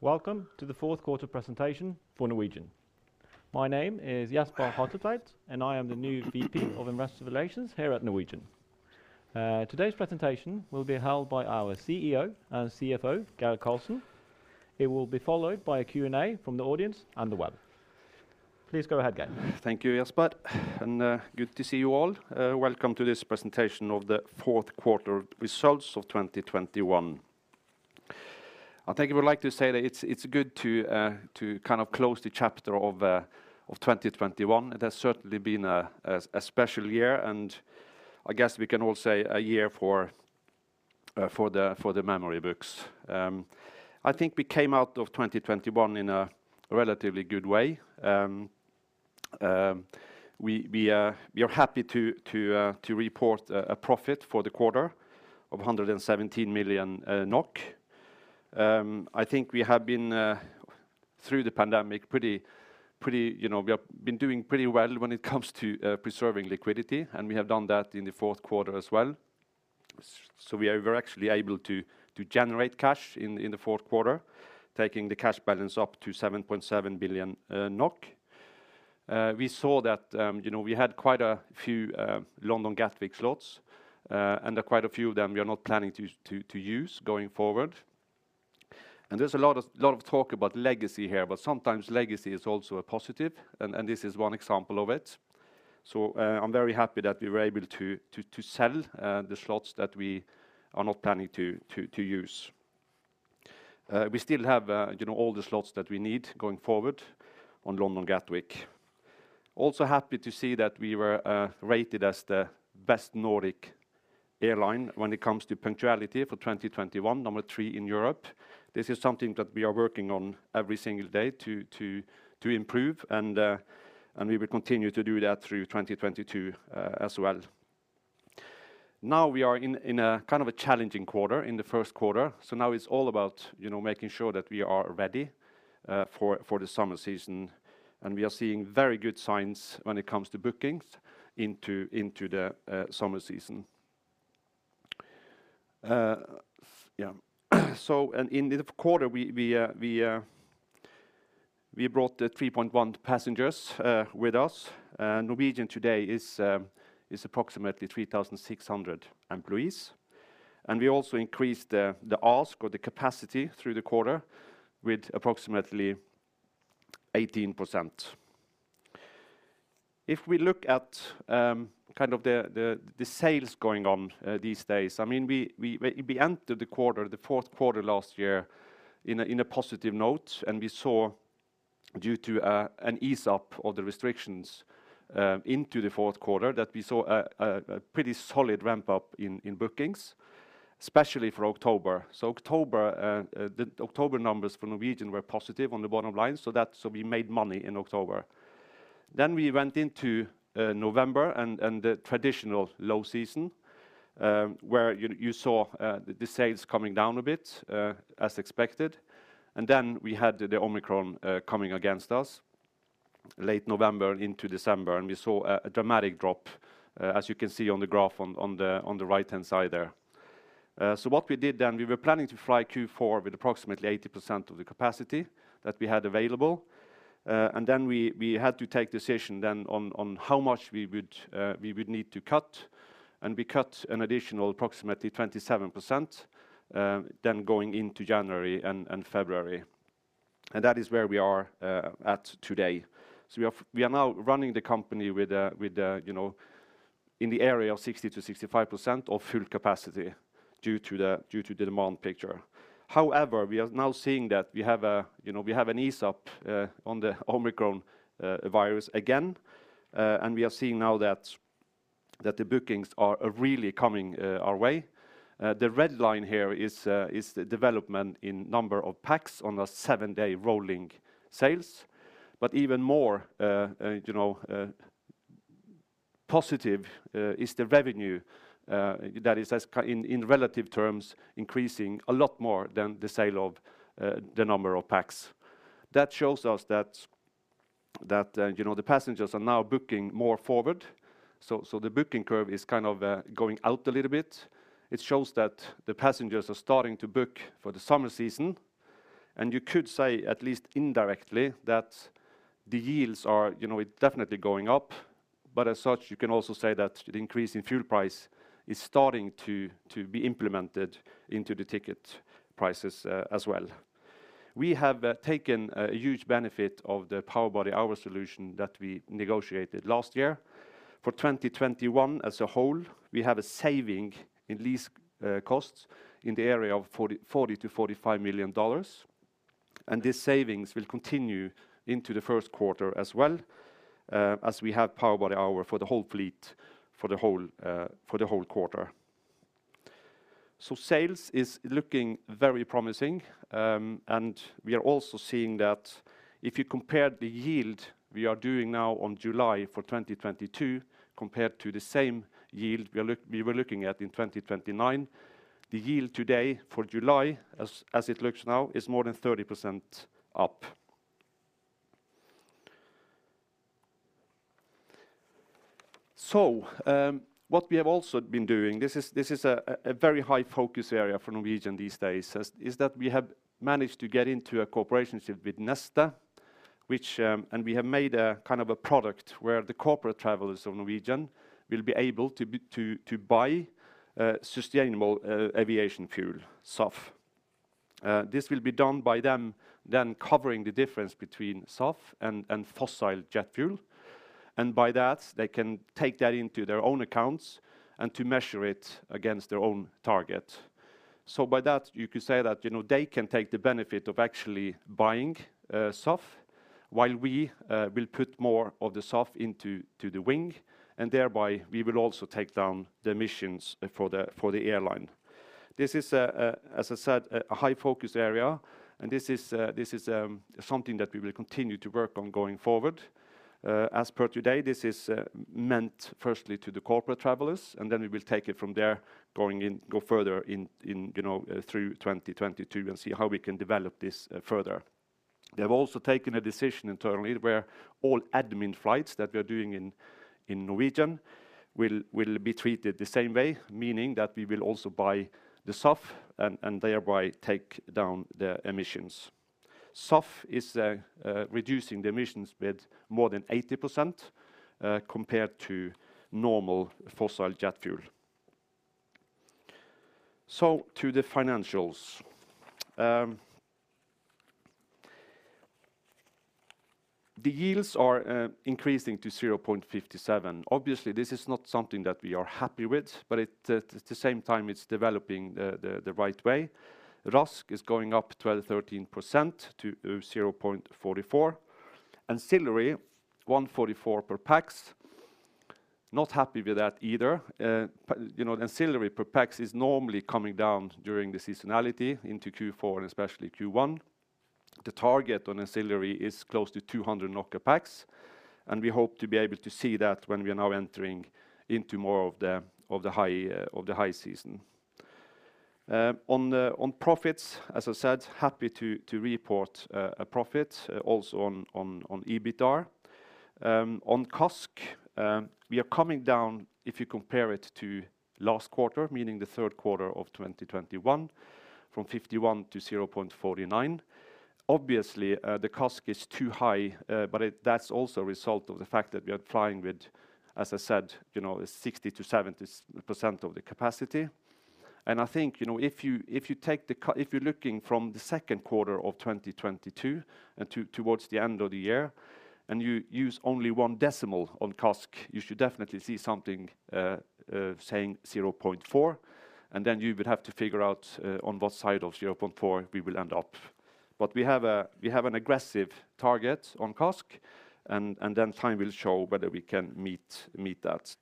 Welcome to the fourth quarter presentation for Norwegian. My name is Jesper Hatletveit, and I am the new VP of Investor Relations here at Norwegian. Today's presentation will be held by our CEO and CFO, Geir Karlsen. It will be followed by a Q&A from the audience and the web. Please go ahead, Geir. Thank you, Jesper, and good to see you all. Welcome to this presentation of the fourth quarter results of 2021. I think I would like to say that it's good to kind of close the chapter of 2021. It has certainly been a special year, and I guess we can all say a year for the memory books. I think we came out of 2021 in a relatively good way. We are happy to report a profit for the quarter of 117 million NOK. I think we have been through the pandemic pretty. You know, we have been doing pretty well when it comes to preserving liquidity, and we have done that in the fourth quarter as well. We're actually able to generate cash in the fourth quarter, taking the cash balance up to 7.7 billion NOK. We saw that you know, we had quite a few London Gatwick slots, and quite a few of them we are not planning to use going forward. There's a lot of talk about legacy here, but sometimes legacy is also a positive and this is one example of it. I'm very happy that we were able to sell the slots that we are not planning to use. We still have, you know, all the slots that we need going forward on London Gatwick. Also happy to see that we were rated as the best Nordic airline when it comes to punctuality for 2021, number three in Europe. This is something that we are working on every single day to improve and we will continue to do that through 2022 as well. Now we are in a kind of a challenging quarter in the first quarter, so now it's all about, you know, making sure that we are ready for the summer season, and we are seeing very good signs when it comes to bookings into the summer season. In the quarter we brought 3.1 passengers with us. Norwegian today is approximately 3,600 employees. We also increased the ASK or the capacity through the quarter with approximately 18%. If we look at kind of the sales going on these days, I mean, we entered the quarter, the fourth quarter last year in a positive note and we saw, due to an ease up of the restrictions, into the fourth quarter that we saw a pretty solid ramp-up in bookings, especially for October. October numbers for Norwegian were positive on the bottom line, so we made money in October. We went into November and the traditional low season, where you saw the sales coming down a bit, as expected. Then we had the Omicron coming against us late November into December, and we saw a dramatic drop as you can see on the graph on the right-hand side there. What we did then, we were planning to fly Q4 with approximately 80% of the capacity that we had available, and then we had to take decision then on how much we would need to cut, and we cut an additional approximately 27%, then going into January and February. That is where we are at today. We are now running the company with, you know, in the area of 60%-65% of full capacity due to the demand picture. However, we are now seeing that we have, you know, an ease up on the Omicron virus again, and we are seeing now that the bookings are really coming our way. The red line here is the development in number of PAX on a seven-day rolling basis. Even more, you know, positive is the revenue that is in relative terms increasing a lot more than the sale of the number of PAX. That shows us that, you know, the passengers are now booking more forward, so the booking curve is kind of going out a little bit. It shows that the passengers are starting to book for the summer season, and you could say, at least indirectly, that the yields are, you know, it definitely going up, but as such, you can also say that the increase in fuel price is starting to be implemented into the ticket prices as well. We have taken a huge benefit of the Power by the Hour solution that we negotiated last year. For 2021 as a whole, we have a saving in lease costs in the area of $40 million-$45 million, and these savings will continue into the first quarter as well, as we have Power by the Hour for the whole fleet for the whole quarter. Sales is looking very promising, and we are also seeing that if you compare the yield we are doing now on July for 2022 compared to the same yield we were looking at in 2029, the yield today for July as it looks now is more than 30% up. What we have also been doing, this is a very high focus area for Norwegian these days, is that we have managed to get into a cooperation with Neste, and we have made a kind of a product where the corporate travelers of Norwegian will be able to to buy sustainable aviation fuel, SAF. This will be done by them then covering the difference between SAF and fossil jet fuel. By that, they can take that into their own accounts and measure it against their own target. By that, you could say that, you know, they can take the benefit of actually buying SAF, while we will put more of the SAF into the wing, and thereby we will also take down the emissions for the airline. This is, as I said, a high focus area, and this is something that we will continue to work on going forward. As per today, this is meant firstly to the corporate travelers, and then we will take it from there, go further in, you know, through 2022 and see how we can develop this further. They have also taken a decision internally where all admin flights that we're doing in Norwegian will be treated the same way, meaning that we will also buy the SAF and thereby take down the emissions. SAF is reducing the emissions with more than 80% compared to normal fossil jet fuel. To the financials. The yields are increasing to 0.57. Obviously, this is not something that we are happy with, but it at the same time, it's developing the right way. RASK is going up 12%-13% to 0.44. Ancillary, 1.44 per pax. Not happy with that either. You know, ancillary per pax is normally coming down during the seasonality into Q4 and especially Q1. The target on ancillary is close to 200 pax, and we hope to be able to see that when we are now entering into more of the high season. On profits, as I said, happy to report a profit also on EBITDAR. On CASK, we are coming down if you compare it to last quarter, meaning the third quarter of 2021, from 0.51 to 0.49. Obviously, the CASK is too high, but that's also a result of the fact that we are flying with, as I said, you know, 60%-70% of the capacity. I think, you know, if you, if you take if you're looking from the second quarter of 2022 towards the end of the year, and you use only one decimal on CASK, you should definitely see something saying 0.4, and then you would have to figure out on what side of 0.4 we will end up. But we have an aggressive target on CASK, and then time will show whether we can meet that.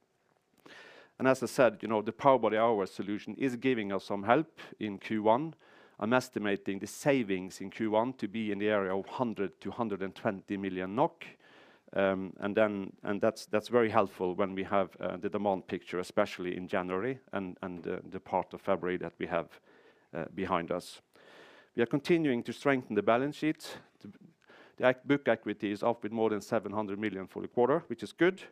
As I said, you know, the Power by the Hour solution is giving us some help in Q1. I'm estimating the savings in Q1 to be in the area of 100 million-120 million NOK. That's very helpful when we have the demand picture, especially in January and the part of February that we have behind us. We are continuing to strengthen the balance sheet. The book equity is up with more than 700 million for the quarter, which is good.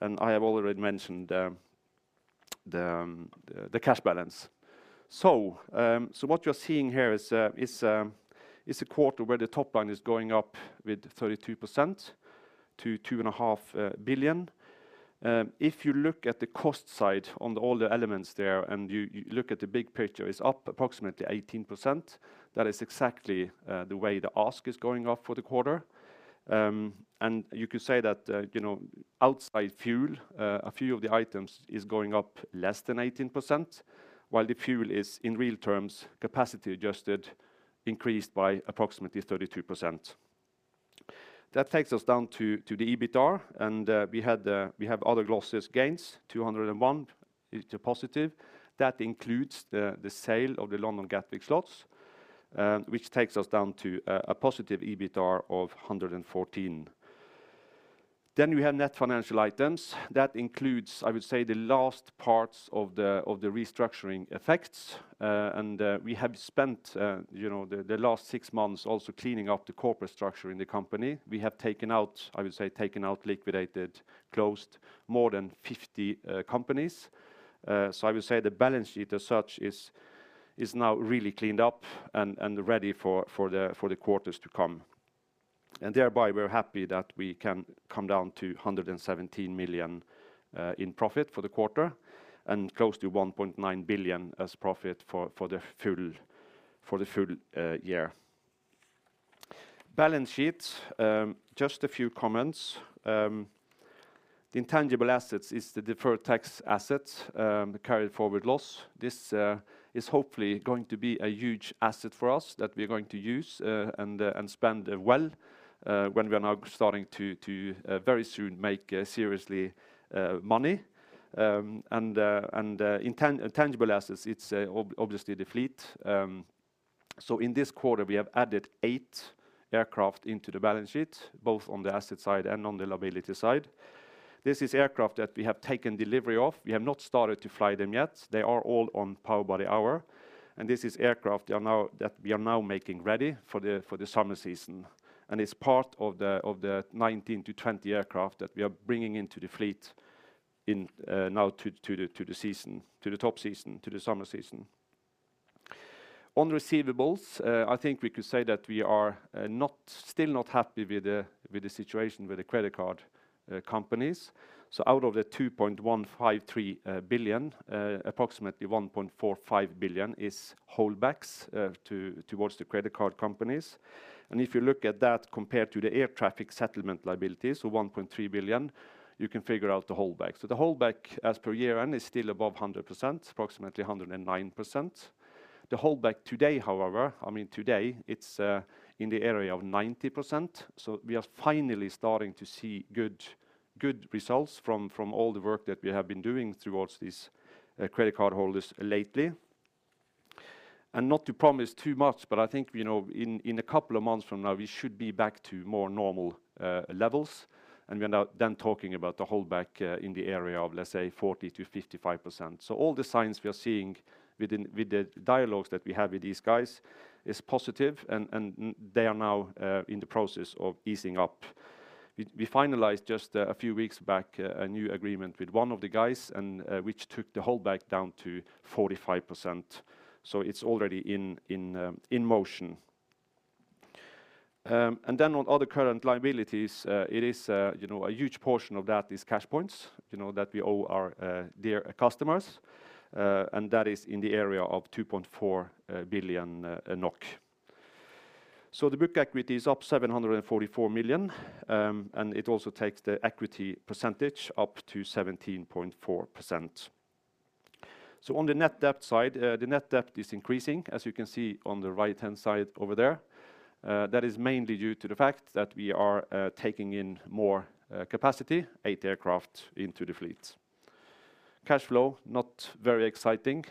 I have already mentioned the cash balance. What you're seeing here is a quarter where the top line is going up with 32% to 2.5 billion. If you look at the cost side on all the elements there, and you look at the big picture, it's up approximately 18%. That is exactly the way the ASK is going up for the quarter. You could say that, you know, outside fuel, a few of the items is going up less than 18%, while the fuel is, in real terms, capacity adjusted, increased by approximately 32%. That takes us down to the EBITDAR, and we have other losses and gains, 201 million is a positive. That includes the sale of the London Gatwick slots, which takes us down to a positive EBITDAR of 114 million. We have net financial items. That includes, I would say, the last parts of the restructuring effects, and we have spent, you know, the last six months also cleaning up the corporate structure in the company. We have taken out, I would say, liquidated, closed more than 50 companies. I would say the balance sheet as such is now really cleaned up and ready for the quarters to come. Thereby, we're happy that we can come down to 117 million in profit for the quarter and close to 1.9 billion as profit for the full year. Balance sheets, just a few comments. The intangible assets is the deferred tax assets, the carried forward loss. This is hopefully going to be a huge asset for us that we're going to use and spend well when we are now starting to very soon make seriously money. Intangible assets, it's obviously the fleet. In this quarter, we have added eight aircraft into the balance sheet, both on the asset side and on the liability side. This is aircraft that we have taken delivery of. We have not started to fly them yet. They are all on Power by the Hour. This is aircraft that we are now making ready for the summer season. It's part of the 19-20 aircraft that we are bringing into the fleet now to the summer season. On receivables, I think we could say that we are still not happy with the situation with the credit card companies. Out of the 2.153 billion, approximately 1.45 billion is holdbacks towards the credit card companies. If you look at that compared to the air traffic settlement liabilities, 1.3 billion, you can figure out the holdback. The holdback as per year end is still above 100%, approximately 109%. The holdback today, however, I mean, it's in the area of 90%. We are finally starting to see good results from all the work that we have been doing towards these credit card holders lately. Not to promise too much, but I think, you know, in a couple of months from now, we should be back to more normal levels. We are now then talking about the holdback in the area of, let's say, 40%-55%. All the signs we are seeing with the dialogues that we have with these guys is positive and they are now in the process of easing up. We finalized just a few weeks back a new agreement with one of the guys and which took the holdback down to 45%. It's already in motion. On other current liabilities, it is you know, a huge portion of that is cash points, you know, that we owe our dear customers and that is in the area of 2.4 billion NOK. The book equity is up 744 million, and it also takes the equity percentage up to 17.4%. On the net debt side, the net debt is increasing, as you can see on the right-hand side over there. That is mainly due to the fact that we are taking in more capacity, eight aircraft into the fleet. Cash flow, not very exciting,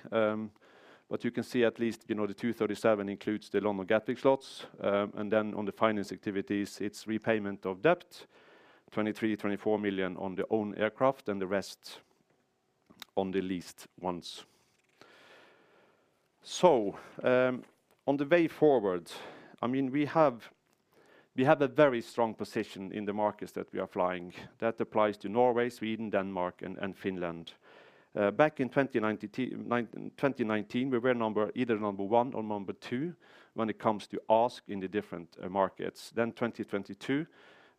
but you can see at least, you know, the 237 includes the London Gatwick slots. On the finance activities, it is repayment of debt, 23 million-24 million on the own aircraft and the rest on the leased ones. On the way forward, I mean, we have a very strong position in the markets that we are flying. That applies to Norway, Sweden, Denmark, and Finland. Back in 2019, we were number one or number two when it comes to ASK in the different markets. 2022,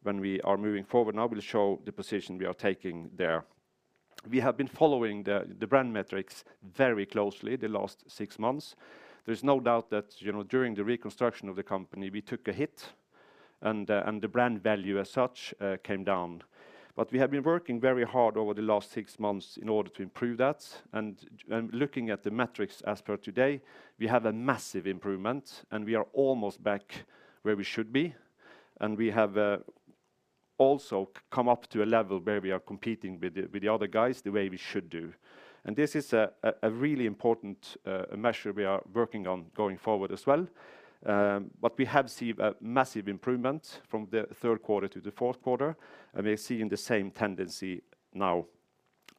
when we are moving forward now, will show the position we are taking there. We have been following the brand metrics very closely the last six months. There's no doubt that, you know, during the reconstruction of the company, we took a hit and the brand value as such came down. We have been working very hard over the last six months in order to improve that. Looking at the metrics as per today, we have a massive improvement, and we are almost back where we should be. We have also come up to a level where we are competing with the other guys the way we should do. This is a really important measure we are working on going forward as well. We have seen a massive improvement from the third quarter to the fourth quarter, and we are seeing the same tendency now.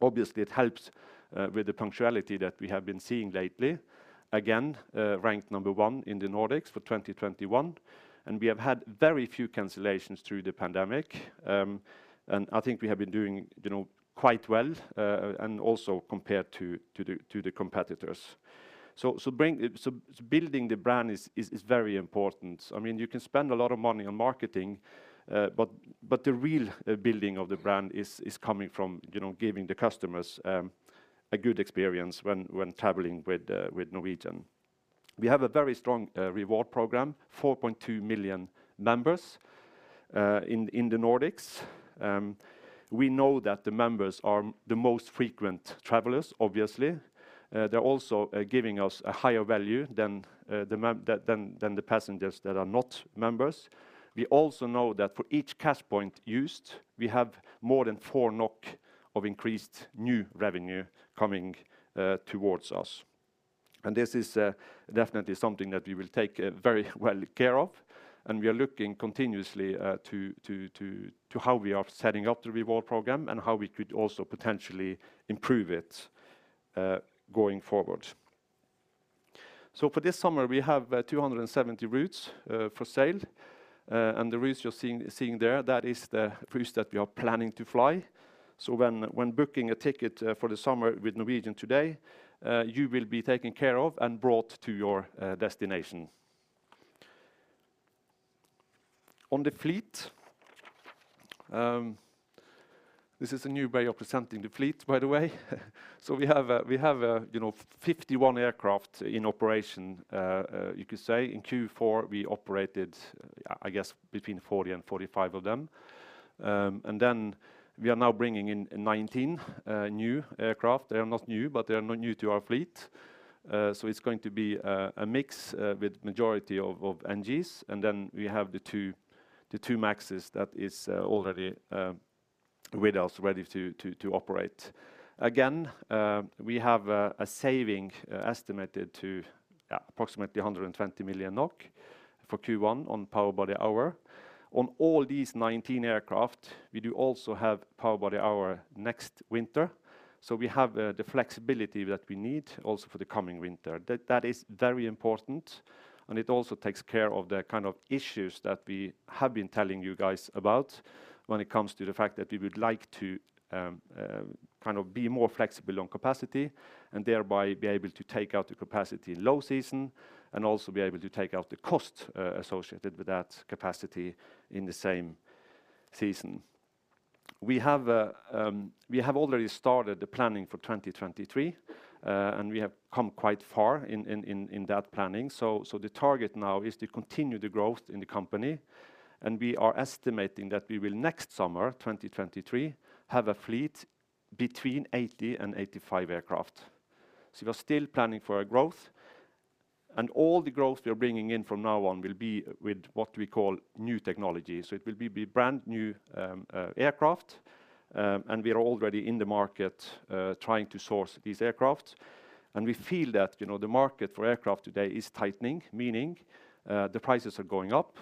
Obviously, it helps with the punctuality that we have been seeing lately, again, ranked number one in the Nordics for 2021. We have had very few cancellations through the pandemic. I think we have been doing, you know, quite well, and also compared to the competitors. Building the brand is very important. I mean, you can spend a lot of money on marketing, but the real building of the brand is coming from, you know, giving the customers a good experience when traveling with Norwegian. We have a very strong reward program, 4.2 million members in the Nordics. We know that the members are the most frequent travelers, obviously. They're also giving us a higher value than the passengers that are not members. We also know that for each cash point used, we have more than 4 NOK of increased new revenue coming towards us. This is definitely something that we will take very well care of. We are looking continuously to how we are setting up the reward program and how we could also potentially improve it going forward. For this summer, we have 270 routes for sale. And the routes you're seeing there, that is the routes that we are planning to fly. When booking a ticket for the summer with Norwegian today, you will be taken care of and brought to your destination. On the fleet, this is a new way of presenting the fleet, by the way. We have you know 51 aircraft in operation you could say. In Q4, we operated I guess between 40 and 45 of them. And then we are now bringing in 19 new aircraft. They are not new, but they are now new to our fleet. It's going to be a mix with majority of NGs. Then we have the two MAXs that is already with us ready to operate. Again, we have a saving estimated to approximately 120 million NOK for Q1 on Power by the Hour. On all these 19 aircraft, we do also have Power by the Hour next winter. We have the flexibility that we need also for the coming winter. That is very important, and it also takes care of the kind of issues that we have been telling you guys about when it comes to the fact that we would like to kind of be more flexible on capacity and thereby be able to take out the capacity in low season and also be able to take out the cost associated with that capacity in the same season. We have already started the planning for 2023, and we have come quite far in that planning. The target now is to continue the growth in the company, and we are estimating that we will next summer, 2023, have a fleet between 80 and 85 aircraft. We are still planning for our growth, and all the growth we are bringing in from now on will be with what we call new technology. It will be brand-new aircraft, and we are already in the market trying to source these aircraft. We feel that, you know, the market for aircraft today is tightening, meaning the prices are going up.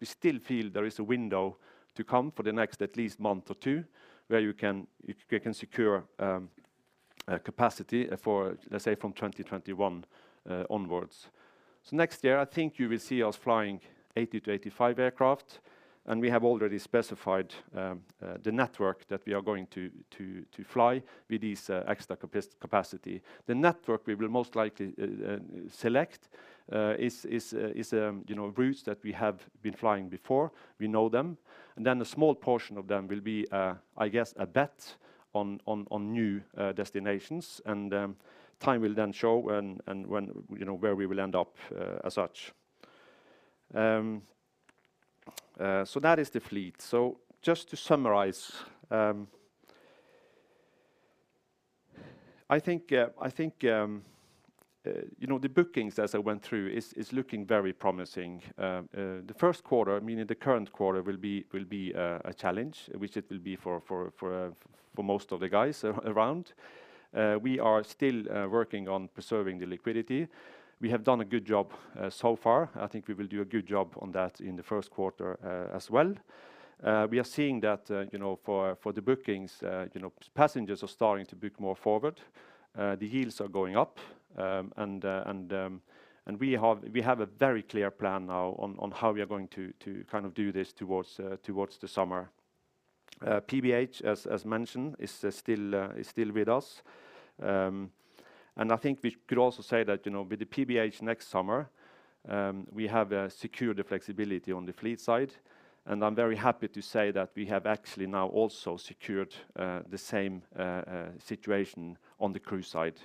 We still feel there is a window to come for the next at least month or two where you can secure a capacity for, let's say from 2021 onwards. Next year, I think you will see us flying 80-85 aircraft, and we have already specified the network that we are going to fly with this extra capacity. The network we will most likely select is, you know, routes that we have been flying before. We know them. A small portion of them will be, I guess, a bet on new destinations. Time will then show when and where, you know, we will end up as such. That is the fleet. Just to summarize, I think, you know, the bookings as I went through is looking very promising. The first quarter, meaning the current quarter, will be a challenge, which it will be for most of the guys around. We are still working on preserving the liquidity. We have done a good job so far. I think we will do a good job on that in the first quarter as well. We are seeing that you know for the bookings you know passengers are starting to book more forward. The yields are going up. We have a very clear plan now on how we are going to kind of do this towards the summer. PBH as mentioned is still with us. I think we could also say that you know with the PBH next summer we have secured the flexibility on the fleet side and I'm very happy to say that we have actually now also secured the same situation on the crew side.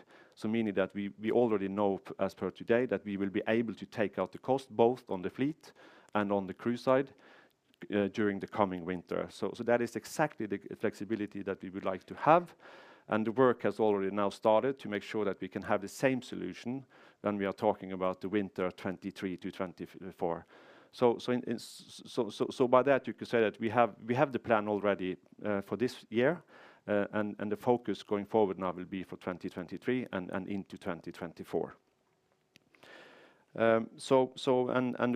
Meaning that we already know as per today that we will be able to take out the cost both on the fleet and on the crew side during the coming winter. That is exactly the flexibility that we would like to have, and the work has already now started to make sure that we can have the same solution when we are talking about the winter 2023 to 2024. By that you could say that we have the plan already for this year, and the focus going forward now will be for 2023 and into 2024.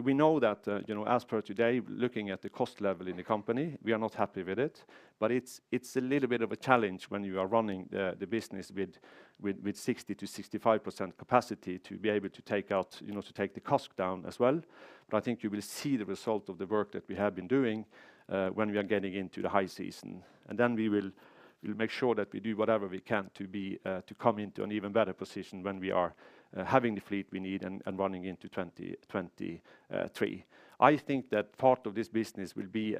We know that, you know, as per today, looking at the cost level in the company, we are not happy with it. It's a little bit of a challenge when you are running the business with 60%-65% capacity to be able to take out, you know, to take the cost down as well. I think you will see the result of the work that we have been doing when we are getting into the high season. We will make sure that we do whatever we can to be to come into an even better position when we are having the fleet we need and running into 2023. I think that part of this business will be.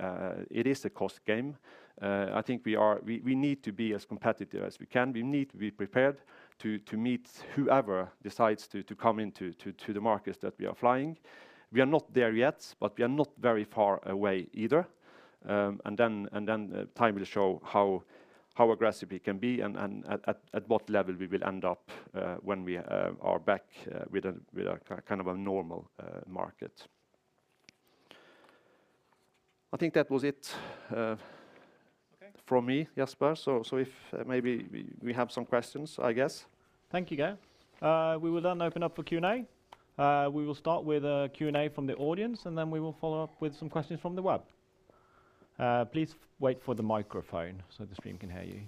It is a cost game. I think we need to be as competitive as we can. We need to be prepared to meet whoever decides to come into the markets that we are flying. We are not there yet, but we are not very far away either. Time will show how aggressive we can be and at what level we will end up when we are back with a kind of a normal market. I think that was it. Okay. From me, Jasper. If maybe we have some questions, I guess. Thank you, Geir. We will open up for Q&A. We will start with a Q&A from the audience, and then we will follow up with some questions from the web. Please wait for the microphone so the stream can hear you.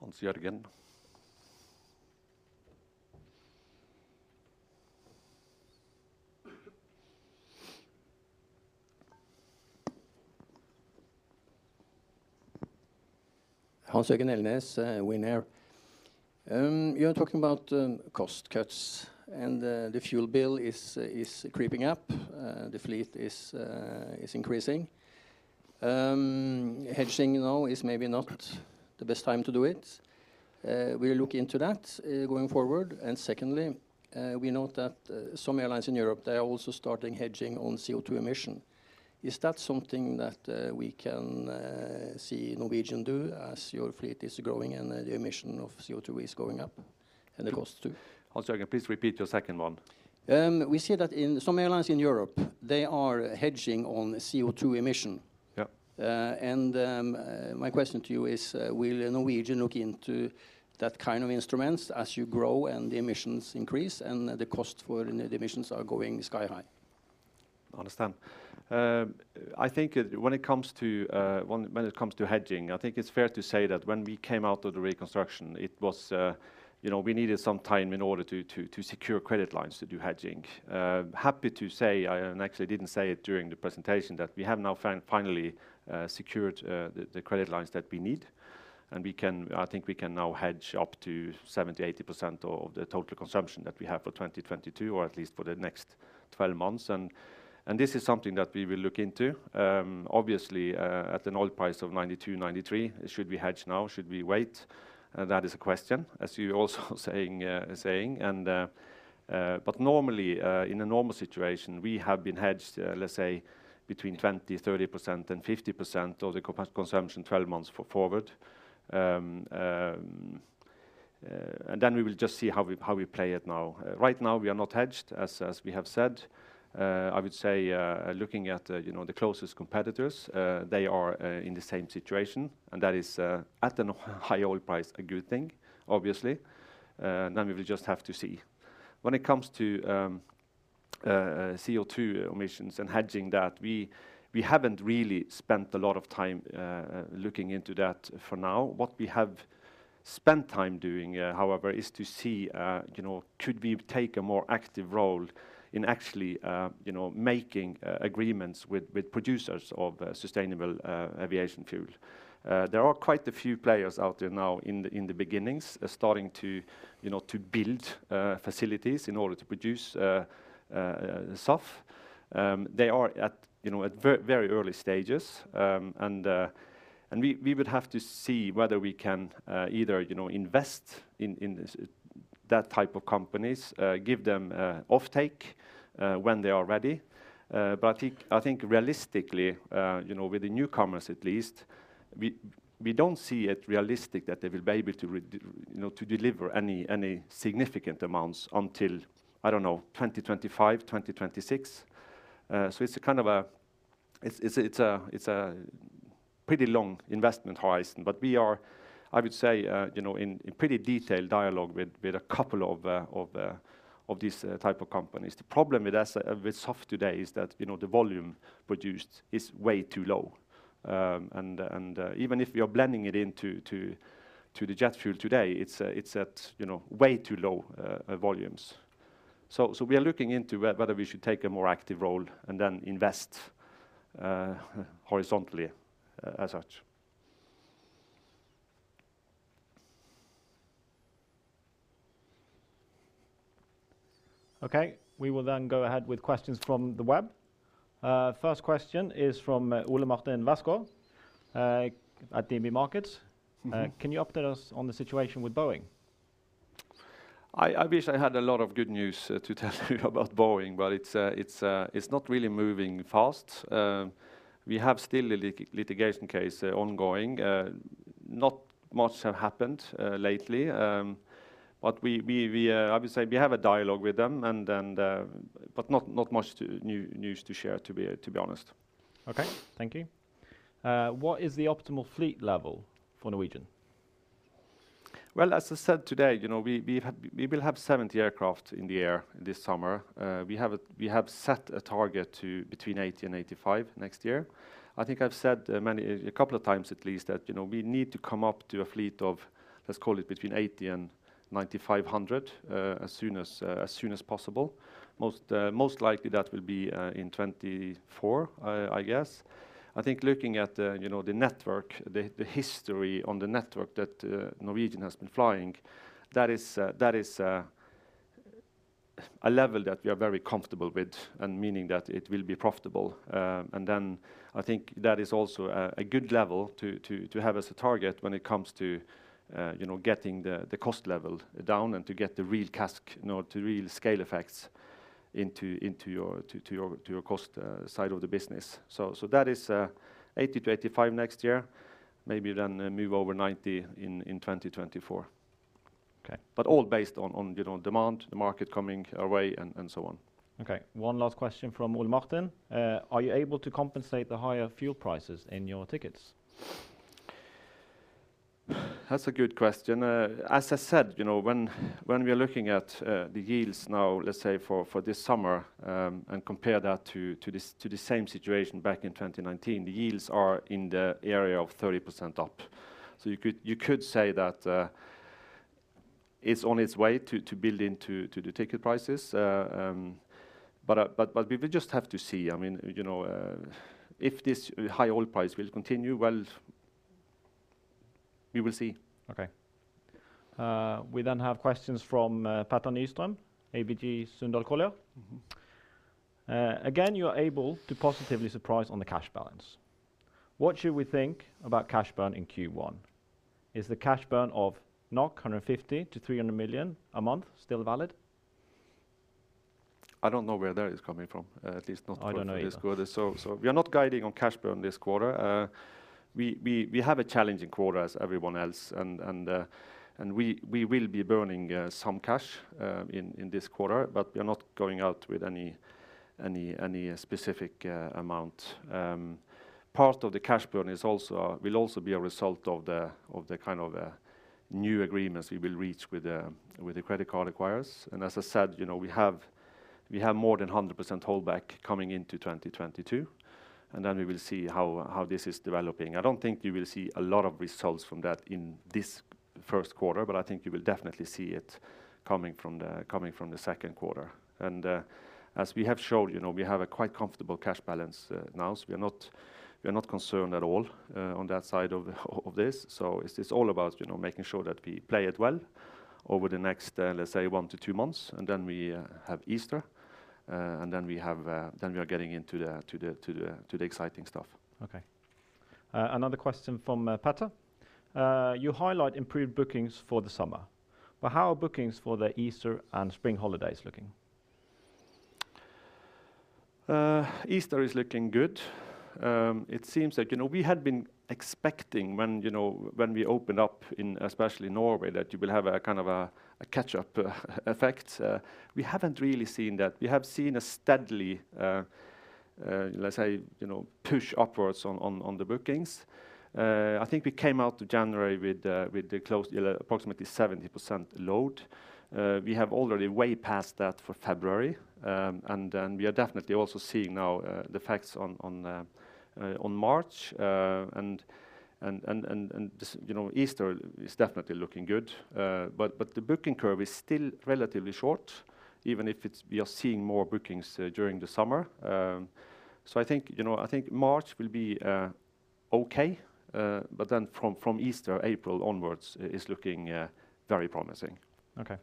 Hans-Jørgen. Hans Jørgen Elnæs, WINAIR. You're talking about cost cuts, and the fuel bill is creeping up. The fleet is increasing. Hedging now is maybe not the best time to do it. Will you look into that going forward? Secondly, we note that some airlines in Europe, they are also starting hedging on CO2 emission. Is that something that we can see Norwegian do as your fleet is growing and the emission of CO2 is going up, and the cost too? Hans-Jørgen, please repeat your second one. We see that in some airlines in Europe, they are hedging on CO2 emission. Yeah. My question to you is, will Norwegian look into that kind of instruments as you grow and the emissions increase and the cost for the emissions are going sky high? Understood. I think when it comes to hedging, I think it's fair to say that when we came out of the reconstruction, it was, you know, we needed some time in order to secure credit lines to do hedging. Happy to say, I actually didn't say it during the presentation, that we have now finally secured the credit lines that we need, and I think we can now hedge up to 70%-80% of the total consumption that we have for 2022, or at least for the next 12 months. This is something that we will look into. Obviously, at an oil price of $92-$93, should we hedge now? Should we wait? That is a question, as you're also saying. Normally, in a normal situation, we have been hedged, let's say between 20-30% and 50% of the consumption 12 months forward. We will just see how we play it now. Right now, we are not hedged, as we have said. I would say, looking at you know, the closest competitors, they are in the same situation, and that is at a high oil price, a good thing, obviously. We will just have to see. When it comes to CO2 emissions and hedging that, we haven't really spent a lot of time looking into that for now. What we have spent time doing, however, is to see, could we take a more active role in actually making agreements with producers of sustainable aviation fuel. There are quite a few players out there now in the beginnings starting to build facilities in order to produce SAF. They are at very early stages. We would have to see whether we can either invest in that type of companies, give them offtake when they are ready. I think realistically, you know, with the newcomers at least, we don't see it realistic that they will be able to deliver any significant amounts until, I don't know, 2025, 2026. It's a pretty long investment horizon. We are, I would say, you know, in pretty detailed dialogue with a couple of these type of companies. The problem with SAF today is that, you know, the volume produced is way too low. And even if we are blending it into the jet fuel today, it's at, you know, way too low volumes. We are looking into whether we should take a more active role and then invest horizontally as such. Okay. We will then go ahead with questions from the web. First question is from Ole Martin Westgaard at DNB Markets. Mm-hmm. Can you update us on the situation with Boeing? I wish I had a lot of good news to tell you about Boeing, but it's not really moving fast. We have still a litigation case ongoing. Not much have happened lately. But I would say we have a dialogue with them and but not much new news to share, to be honest. Okay. Thank you. What is the optimal fleet level for Norwegian? Well, as I said today, you know, we will have 70 aircraft in the air this summer. We have set a target to between 80 and 85 next year. I think I've said it many times, a couple of times at least that, you know, we need to come up to a fleet of, let's call it between 80 and 95, 100 as soon as possible. Most likely that will be in 2024, I guess. I think looking at, you know, the network, the history on the network that Norwegian has been flying, that is a level that we are very comfortable with and meaning that it will be profitable. I think that is also a good level to have as a target when it comes to, you know, getting the cost level down and to get the real CASK, you know, to real scale effects into your cost side of the business. That is 80-85 next year. Maybe move over 90 in 2024. Okay. All based on, you know, demand, the market coming our way, and so on. Okay. One last question from Ole Martin. Are you able to compensate the higher fuel prices in your tickets? That's a good question. As I said, you know, when we are looking at the yields now, let's say for this summer, and compare that to the same situation back in 2019, the yields are in the area of 30% up. So you could say that it's on its way to build into the ticket prices. But we will just have to see. I mean, you know, if this high oil price will continue, well, we will see. Okay. We have questions from Petter Nystrøm, ABG Sundal Collier. Mm-hmm. Again, you are able to positively surprise on the cash balance. What should we think about cash burn in Q1? Is the cash burn of 150 million-300 million a month still valid? I don't know where that is coming from, at least not for this quarter. I don't know either. We are not guiding on cash burn this quarter. We have a challenging quarter as everyone else and we will be burning some cash in this quarter, but we are not going out with any specific amount. Part of the cash burn will also be a result of the kind of new agreements we will reach with the credit card acquirers. As I said, you know, we have more than 100% hold back coming into 2022, and then we will see how this is developing. I don't think you will see a lot of results from that in this first quarter, but I think you will definitely see it coming from the second quarter. As we have showed, you know, we have a quite comfortable cash balance now. We are not concerned at all on that side of this. It's all about, you know, making sure that we play it well over the next, let's say one to two months, and then we have Easter, and then we are getting into the exciting stuff. Okay. Another question from Petter. You highlight improved bookings for the summer, but how are bookings for the Easter and spring holidays looking? Easter is looking good. It seems like, you know, we had been expecting when, you know, when we opened up in especially Norway, that you will have a kind of a catch-up effect. We haven't really seen that. We have seen a steadily, let's say, you know, push upwards on the bookings. I think we came into January with the close to approximately 70% load. We have already way past that for February. We are definitely also seeing now the effects on March. You know, Easter is definitely looking good. The booking curve is still relatively short, even if we are seeing more bookings during the summer. I think, you know, I think March will be okay, but then from Easter, April onwards is looking very promising. Okay.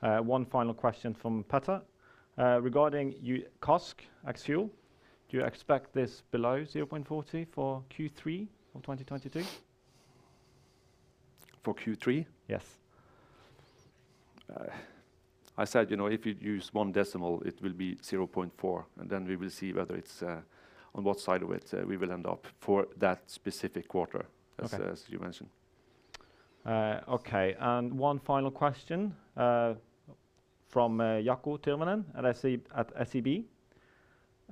One final question from Petter. Regarding CASK ex-fuel, do you expect this below 0.40 for Q3 of 2022? For Q3? Yes. I said, you know, if you use one decimal, it will be 0.4, and then we will see whether it's on what side of it we will end up for that specific quarter. Okay As you mentioned. Okay. One final question from Jaakko Tyrväinen at SEB.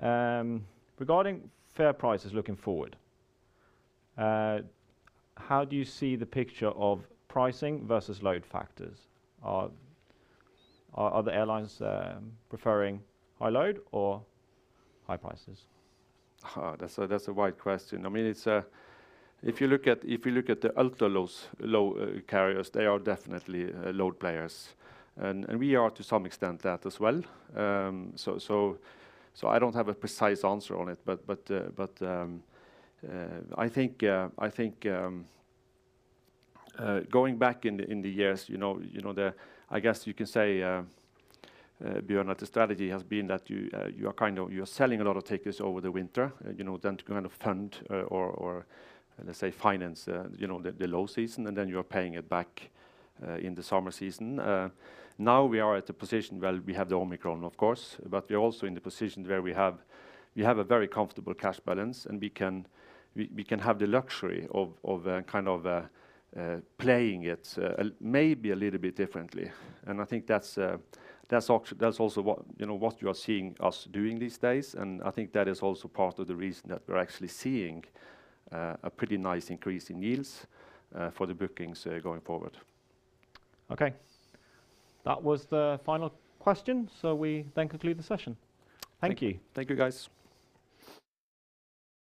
Regarding fare prices looking forward, how do you see the picture of pricing versus load factors? Are the airlines preferring high load or high prices? Oh, that's a wide question. I mean, it's if you look at the ultra low carriers, they are definitely load players. We are to some extent that as well. I don't have a precise answer on it. I think going back in the years, you know, I guess you can say, Bjørn, that the strategy has been that you are kind of selling a lot of tickets over the winter, you know, then to kind of fund or let's say finance, you know, the low season, and then you are paying it back in the summer season. Now we are at a position where we have the Omicron, of course, but we are also in the position where we have a very comfortable cash balance, and we can have the luxury of kind of playing it maybe a little bit differently. I think that's also what, you know, what you are seeing us doing these days. I think that is also part of the reason that we're actually seeing a pretty nice increase in yields for the bookings going forward. Okay. That was the final question, so we then conclude the session. Thank you. Thank you, guys.